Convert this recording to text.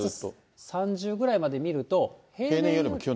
４月３０ぐらいまで見ると、平年よりも。